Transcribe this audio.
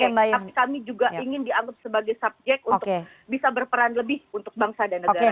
tapi kami juga ingin dianggap sebagai subjek untuk bisa berperan lebih untuk bangsa dan negara